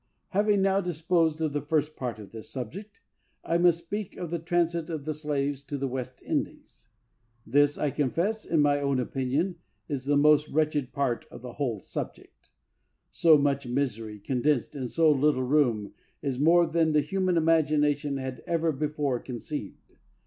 Having now disposed of the first part of this subject, I must speak of the transit of the slaves to the West Indies. This, I confess, in my own opinion, is the most wretched part of the whole subject. So much misery condensed in so little room is more than the human imagination had ever before conceived.